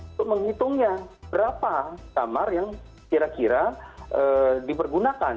untuk menghitungnya berapa kamar yang kira kira dipergunakan